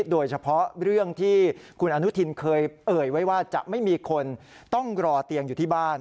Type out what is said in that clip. โดยเฉพาะเรื่องที่คุณอนุทินเคยเอ่ยไว้ว่าจะไม่มีคนต้องรอเตียงอยู่ที่บ้าน